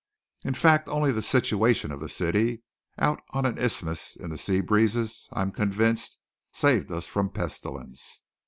In fact only the situation of the city out on an isthmus in the sea breezes I am convinced, saved us from pestilence.